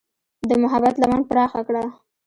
د محبت لمن پراخه کړه.